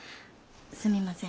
すみません。